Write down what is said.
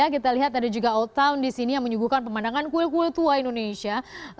kita lihat ada juga old town di sini yang menyuguhkan pemandangan kuil kuil tua indonesia